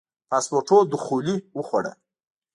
پاسپورتونو دخولي وخوړه.